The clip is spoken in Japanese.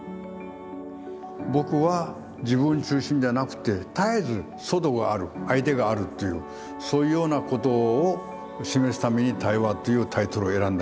僕は自分中心じゃなくて絶えず外がある相手があるというそういうようなことを示すために「対話」というタイトルを選んだんです。